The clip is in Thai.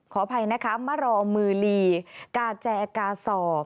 ขออภัยนะคะมารอมือลีกาแจกาศอก